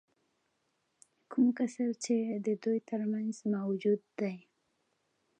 کوم کسر چې د دوی ترمنځ موجود دی